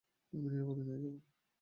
আমি নিরাপদে নিয়ে যাবো।